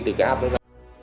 từ các áp